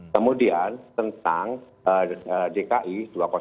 kemudian tentang dki dua ribu dua puluh empat